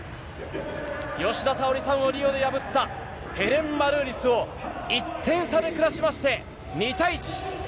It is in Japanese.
吉田沙保里さんをリオで破った、ヘレン・マルーリスを１点差で下しまして、２対１。